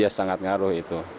ya sangat ngaruh itu